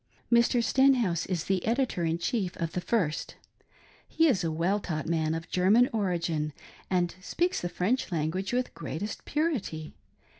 Mr. Stenhouse is editor in chief of the first He is a well taught man of German origin, and speaks the French language with the greatest purity.